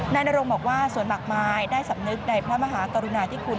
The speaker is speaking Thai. แน่นรงส์บอกว่าสวนบักไม้ได้สำนึกในพระมหาตรุนาทิคุณ